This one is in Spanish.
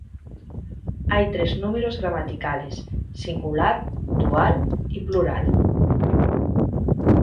Hay tres números gramaticales: singular, dual y plural.